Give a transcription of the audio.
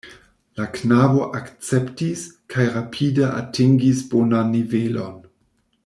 La knabo akceptis, kaj rapide atingis bonan nivelon.